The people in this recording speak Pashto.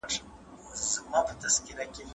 مشران به په ګډه همکاري کوي.